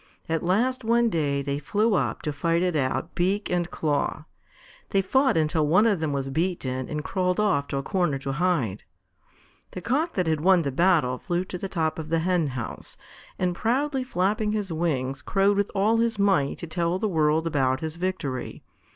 At last one day they flew up to fight it out, beak and claw. They fought until one of them was beaten and crawled off to a corner to hide. The Cock that had won the battle flew to the top of the hen house, and, proudly flapping his wings, crowed with all his might to tell the world about his victory.